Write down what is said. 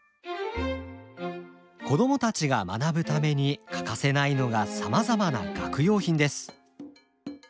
子供たちが学ぶために欠かせないのがさまざまな学用品です。